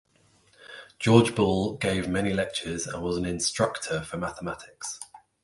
George Boole gave many lectures and was an "instructor" for mathematics.